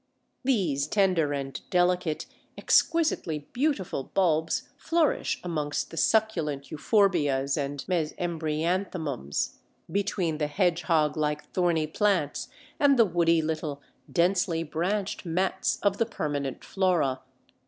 These tender and delicate, exquisitely beautiful bulbs flourish amongst the succulent Euphorbias and Mesembryanthemums, between the hedgehog like thorny plants and the woody little densely branched mats of the permanent flora.